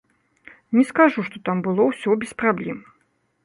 Не скажу, што там было ўсё без праблем.